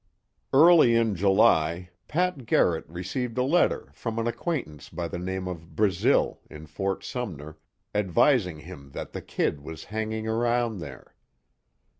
Early in July, Pat Garrett received a letter from an acquaintance by the name of Brazil, in Fort Sumner, advising him that the "Kid" was hanging around there.